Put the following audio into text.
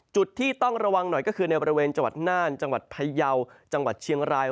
จุดที่ต้องระวังหน่อยก็คือในบริเวณจังหวัดน่านจังหวัดพยาวจังหวัดเชียงราย